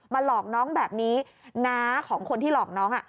หลอกน้องแบบนี้น้าของคนที่หลอกน้อง